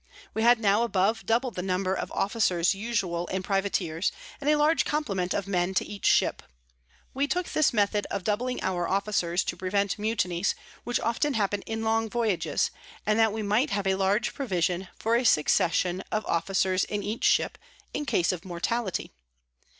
We had now above double the number of Officers usual in Privateers, and a large Complement of Men to each Ship. We took this Method of doubling our Officers to prevent Mutinies, which often happen in long Voyages, and that we might have a large Provision for a Succession of [Sidenote: At Cork in Ireland.] Officers in each Ship, in case of Mortality.